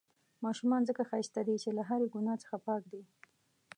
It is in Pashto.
ماشومان ځڪه ښايسته دي، چې له هرې ګناه څخه پاک دي.